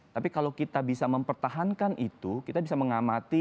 tapi kalau kita bisa mempertahankan itu kita bisa mengamati